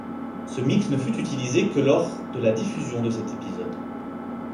Ce mix ne fut utilisé que lors de la diffusion de cet épisode.